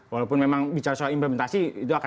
walaupun memang bicara soal implementasi tidak